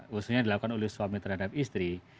khususnya dilakukan oleh suami terhadap istri